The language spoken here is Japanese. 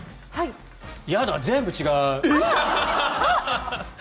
嫌だ、全部違う。